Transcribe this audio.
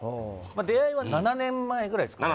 あ出会いは７年前ぐらいっすかね